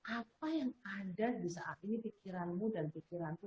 apa yang ada di saat ini pikiranmu dan pikiranku